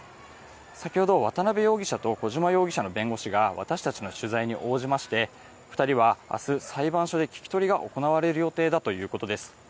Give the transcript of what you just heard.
先ほど渡辺容疑者と小島容疑者の弁護士が私ども取材に応じ２人は明日、裁判所で聞き取りが行われる予定だということです。